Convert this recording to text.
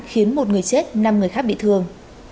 khiến một người chết năm người khác bị thương